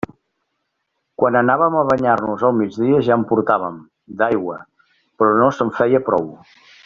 Quan anàvem a banyar-nos al migdia ja en portàvem, d'aigua, però no se'n feia prou.